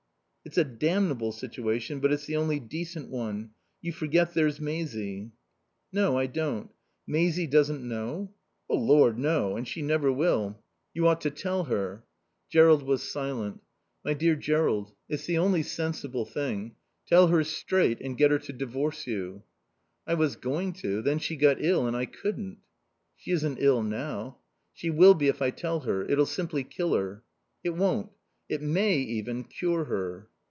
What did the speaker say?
"It's a damnable situation, but it's the only decent one. You forget there's Maisie." "No, I don't. Maisie doesn't know?" "Oh Lord, no. And she never will." "You ought to tell her." Jerrold was silent. "My dear Jerrold, it's the only sensible thing. Tell her straight and get her to divorce you." "I was going to. Then she got ill and I couldn't." "She isn't ill now." "She will be if I tell her. It'll simply kill her." "It won't. It may even cure her."